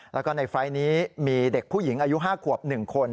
แล้วก็ในไฟล์ทนี้มีเด็กผู้หญิงอายุ๕ขวบ๑คน